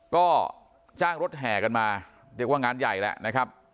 ก็จ้างรถแห่กันมาเรียกว่างานใหญ่แหละนะครับ